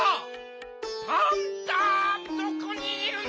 パンタどこにいるんだ？